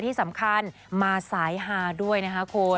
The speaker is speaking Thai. ที่สำคัญมาสายฮาด้วยนะคะคุณ